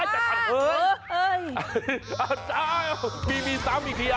เฮ้อห้อปีซ้ำอีกทีอ่ะ